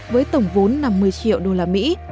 với tổng vốn năm mươi triệu đô la mỹ